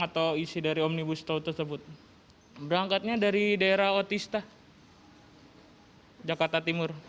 atau isi dari omnibus law tersebut berangkatnya dari daerah otista jakarta timur